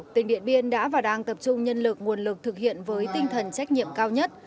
tỉnh điện biên đã và đang tập trung nhân lực nguồn lực thực hiện với tinh thần trách nhiệm cao nhất